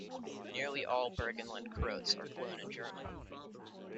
Nearly all Burgenland Croats are fluent in German.